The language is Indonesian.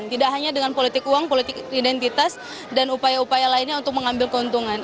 tidak hanya dengan politik uang politik identitas dan upaya upaya lainnya untuk mengambil keuntungan